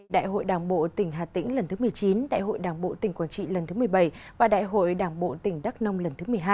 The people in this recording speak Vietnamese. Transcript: đại hội đảng bộ tỉnh hà tĩnh lần thứ một mươi chín đại hội đảng bộ tỉnh quảng trị lần thứ một mươi bảy và đại hội đảng bộ tỉnh đắk nông lần thứ một mươi hai